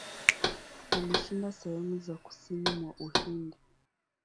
Alishinda sehemu za kusini mwa Uhindi.